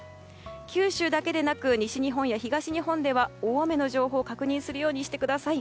九州だけでなく西日本や東日本では大雨の情報を確認するようにしてください。